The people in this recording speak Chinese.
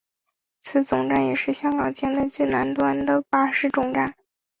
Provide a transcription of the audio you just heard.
此总站也是香港境内最南端的巴士终站。